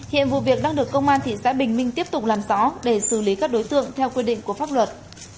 hiện vụ việc đang được công an tp hcm tiếp tục làm rõ để xử lý các đối tượng theo quy định của pháp luật